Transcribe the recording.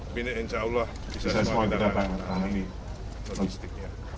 bina insyaallah bisa semua kita pahami logistiknya